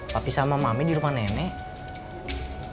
tapi sama mami di rumah nenek